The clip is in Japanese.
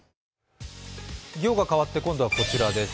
行が変わって今度はこちらです。